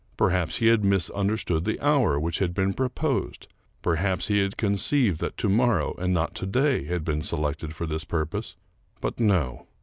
Perhaps he had misunderstood the hour which had been pro posed. Perhaps he had conceived that to morrow, and not to day, had been selected for this purpose; but no.